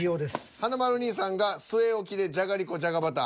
華丸兄さんが据え置きで「じゃがりこじゃがバター」。